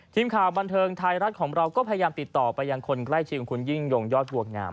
ทีมข่าวบันเทิงไทยรัฐของเราก็พยายามติดต่อไปยังคนใกล้ชิดของคุณยิ่งยงยอดบัวงาม